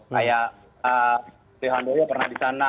kayak prihando ya pernah di sana